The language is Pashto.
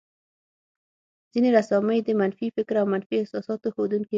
ځينې رسامۍ د منفي فکر او منفي احساساتو ښودونکې وې.